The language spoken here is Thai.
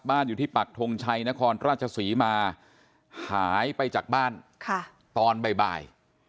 อยู่ที่ปักทงชัยนครราชศรีมาหายไปจากบ้านตอนบ่าย